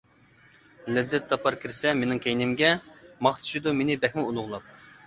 لەززەت تاپار كىرسە مېنىڭ كەينىمگە، ماختىشىدۇ مېنى بەكمۇ ئۇلۇغلاپ.